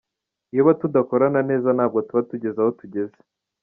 Iyo tuba tudakorana neza ntabwo tuba tugeze aho tugeze.